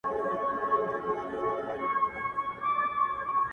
• چی لېوه کړه د خره پښې ته خوله ورسمه ,